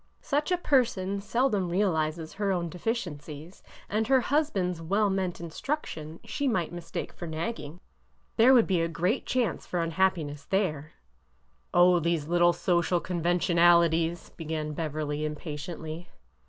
Such a person seldom realizes her own deficiencies, and her husband's well meant instruction she might mistake BEVERLY SUPPOSES A CASE 151 for nagging. There would be a great chance for unhap piness there." Oh, these little social conventionalities !" began Beverly, impatiently.